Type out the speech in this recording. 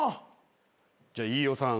じゃあ飯尾さん。